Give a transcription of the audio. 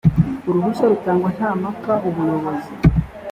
uruhushya rutangwa nta mpaka ubuyobozi